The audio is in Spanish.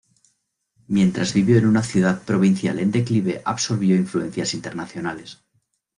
Mientras vivió en una ciudad provincial en declive, absorbió influencias internacionales.